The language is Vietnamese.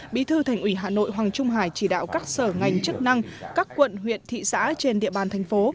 bí thư thành ủy hà nội hoàng trung hải chỉ đạo các sở ngành chức năng các quận huyện thị xã trên địa bàn thành phố